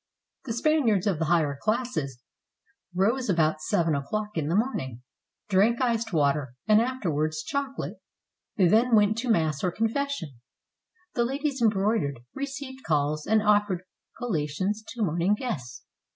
The Spaniards of the higher classes rose about seven o'clock in the morning, drank iced water, and after wards chocolate. They then went to Mass or confession. The ladies embroidered, received calls, and offered col lations to morning guests.